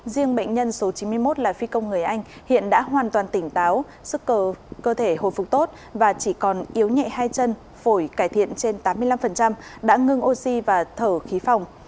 riêng bệnh nhân số chín mươi một là phi công người anh hiện đã hoàn toàn tỉnh táo sức cơ thể hồi phục tốt và chỉ còn yếu nhẹ hai chân phổi cải thiện trên tám mươi năm đã ngưng oxy và thở khí phòng